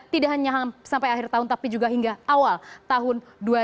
tidak hanya sampai akhir tahun tapi juga hingga awal tahun dua ribu dua puluh